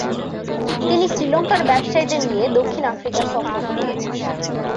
তিনি শ্রীলঙ্কার ব্যবসায়ীদের নিয়ে দক্ষিণ আফ্রিকা সফর করেছেন।